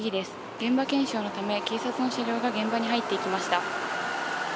現場検証のため警察の車両が現場に入っていきました。